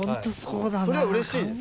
それはうれしいですね。